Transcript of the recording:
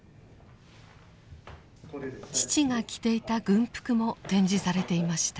父が着ていた軍服も展示されていました。